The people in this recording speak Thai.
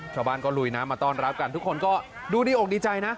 ชาวบ้านก็ลุยน้ำมาต้อนรับกันทุกคนก็ดูดีอกดีใจนะ